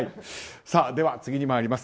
では、次に参ります。